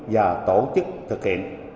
và tổ chức thực hiện